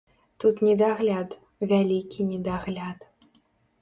Тут недагляд, вялікі недагляд.